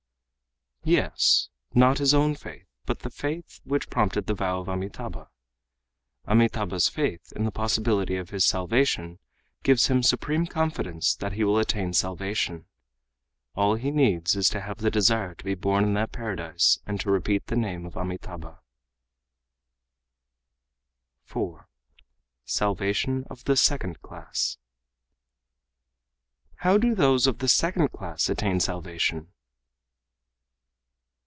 "Yes, not his own faith, but the faith which prompted the vow of Amitabha. Amitâbha's faith in the possibility of his salvation gives him supreme confidence that he will attain salvation. All he needs is to have the desire to be born in that paradise and to repeat the name of Amitabha." 4. Salvation of the Second Class "How do those of the second class attain salvation?"